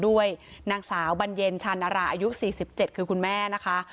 ด้วยนางสาวบรรเย็นชานราอายุ๔๗คือคุณแม่นะคะ